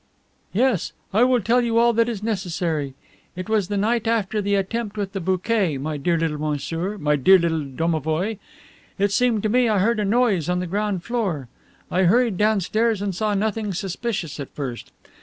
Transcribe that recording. "Yes. I will tell you all that is necessary. It was the night after the attempt with the bouquet, my dear little monsieur, my dear little domovoi; it seemed to me I heard a noise on the ground floor. I hurried downstairs and saw nothing suspicious at first.